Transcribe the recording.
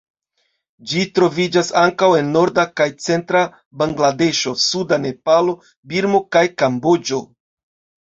Ĝi troviĝas ankaŭ en norda kaj centra Bangladeŝo, suda Nepalo, Birmo kaj Kamboĝo.